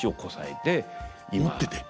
持ってて。